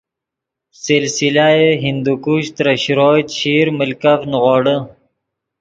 سلسلہ ہندوکش ترے شروئے، چیشیر ملکف نیغوڑے